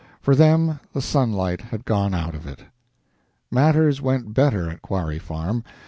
For them the sunlight had gone out of it. Matters went better at Quarry Farm.